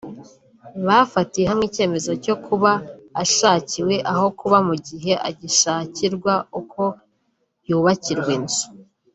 bafatiye hamwe icyemezo cyo kuba ashakiwe aho kuba mugihe agishakirwa uko yubakirwa inzu